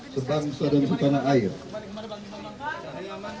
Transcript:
sebangsa dan sepanah air